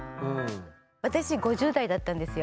私５０代だったんですよ。